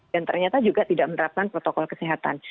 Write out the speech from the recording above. dan ternyata juga tidak menerapkan protokol kesehatan